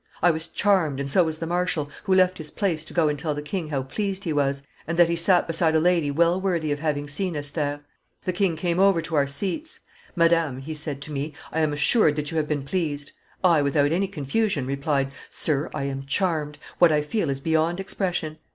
I was charmed, and so was the marshal, who left his place to go and tell the king how pleased he was, and that he sat beside a lady well worthy of having seen Esther. The king came over to our seats. 'Madame,' he said to me, 'I am assured that you have been pleased.' I, without any confusion,' replied, 'Sir, I am charmed; what I feel is beyond expression.